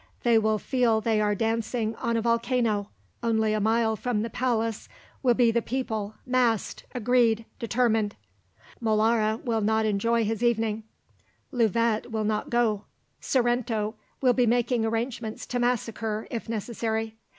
They will feel they are dancing on a volcano; only a mile from the palace will be the people, massed, agreed, determined. Molara will not enjoy his evening; Louvet will not go; Sorrento will be making arrangements to massacre, if necessary.